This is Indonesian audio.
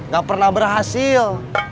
gak pernah berhasil